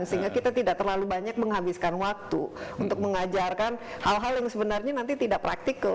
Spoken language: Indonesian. sehingga kita tidak terlalu banyak menghabiskan waktu untuk mengajarkan hal hal yang sebenarnya nanti tidak praktikal